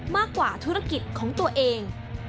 มากกว่าธุรกิจของตัวเอง